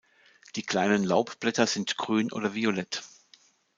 Die kleinen Laubblätter sind grün oder violett.